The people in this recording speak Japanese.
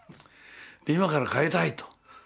で今から変えたいと。